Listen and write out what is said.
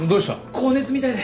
高熱みたいで。